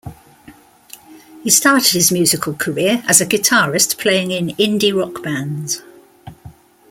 He started his musical career as a guitarist playing in indie rock bands.